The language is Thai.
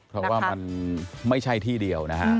เพราะว่ามันไม่ใช่ที่เดียวนะฮะ